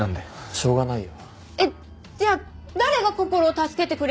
しょうがないよ。えっじゃあ誰がこころを助けてくれるの？